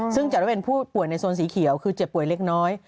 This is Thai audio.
ซึ่งจัดได้เป็นผู้ป่วยในโซนสีเขียวคือเจ็บป่วยเล็กน้อย